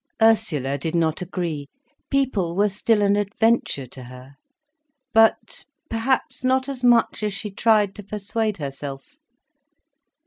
Ursula did not agree—people were still an adventure to her—but—perhaps not as much as she tried to persuade herself.